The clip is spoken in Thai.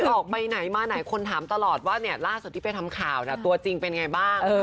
ออกไปไหนมาไหนคนถามตลอดว่าล่าสุดที่ไปทำข่าวตัวจริงเป็นไงบ้าง